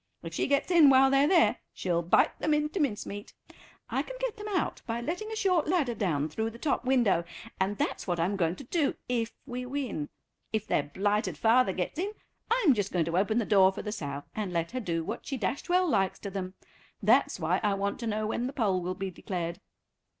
If she gets in while they're there she'll bite them into mincemeat. I can get them out by letting a short ladder down through the top window, and that's what I'm going to do if we win. If their blighted father gets in, I'm just going to open the door for the sow, and let her do what she dashed well likes to them. That's why I want to know when the poll will be declared."